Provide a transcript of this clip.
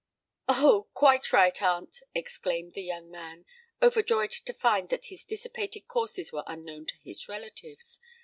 "Oh! quite right, aunt," exclaimed the young man, overjoyed to find that his dissipated courses were unknown to his relatives.